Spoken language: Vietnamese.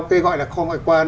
cái gọi là kho ngoại quan